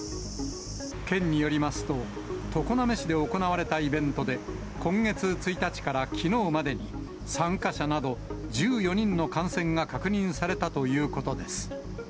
県によりますと、常滑市で行われたイベントで、今月１日からきのうまでに、参加者など１４人の感染が確認されたということです。